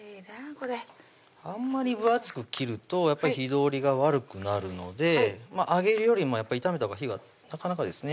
これあんまり分厚く切るとやっぱり火通りが悪くなるので揚げ料理も炒めたほうが火がなかなかですね